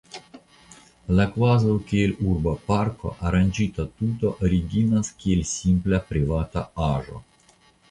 La kvazaŭ kiel urba parko aranĝita tuto originas kiel simpla privata aĵo.